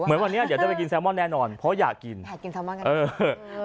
เหมือนวันนี้เดี๋ยวจะไปกินแซลมอนแน่นอนเพราะอยากกินอยากกินแซลมอนกันเออ